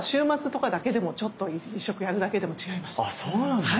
実はあっそうなんですね。